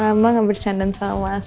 udah lama nggak bercanda sama mas